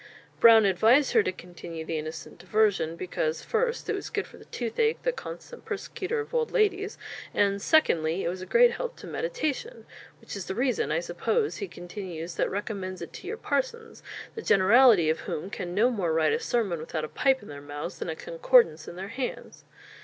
Brown advised her to continue the "innocent diversion" because, first, it was good for the toothache, "the constant persecutor of old ladies," and, secondly, it was a great help to meditation, "which is the reason, I suppose," he continues, "that recommends it to your parsons; the generality of whom can no more write a sermon without a pipe in their mouths, than a concordance in their hands."